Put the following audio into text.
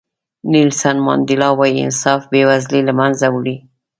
نیلسن منډیلا وایي انصاف بې وزلي له منځه وړي.